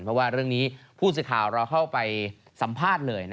เพราะว่าเรื่องนี้ผู้สื่อข่าวเราเข้าไปสัมภาษณ์เลย